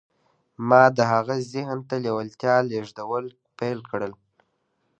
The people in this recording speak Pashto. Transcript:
ما د هغه ذهن ته د لېوالتیا لېږدول پیل کړل